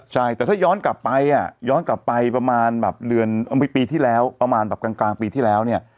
ใช่แต่ถ้าย้อนกลับไปอ่ะย้อนกลับไปประมาณแบบเดือนปีที่แล้วประมาณแบบกลางปีที่แล้วเนี่ย